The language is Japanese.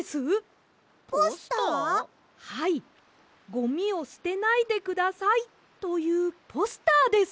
「ゴミをすてないでください」というポスターです！